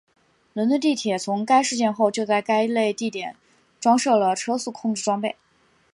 伦敦地铁从该事件后就在该类地点装设了车速控制装备。